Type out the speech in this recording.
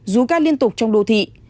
dù ca liên tục trong đô thị